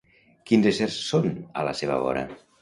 Quins éssers són a la seva vora?